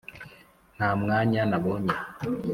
nta mwanya nabonye